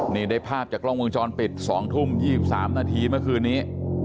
นี่ได้ภาพจากกล้องวงจรปิด๒ทุ่ม๒๓นาทีเมื่อคืนนี้